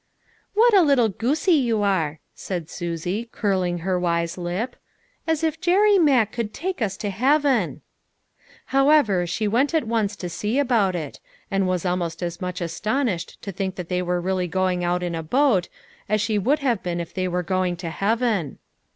" What a little goosie you are !" said Susie, curling her wise lip ;" as if Jerry Mack could take us to heaven !" However, she went at once to see about it, and was almost as much astonished to think A COMPLETE SUCCESS. 223 that they were really going out in a boat, as she would have been if they were going to heaven.